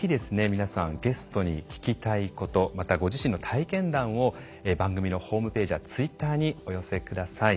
皆さんゲストに聞きたいことまたご自身の体験談を番組のホームページやツイッターにお寄せ下さい。